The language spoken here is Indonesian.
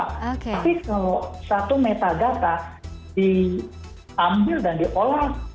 tapi kalau satu metagata diambil dan diolah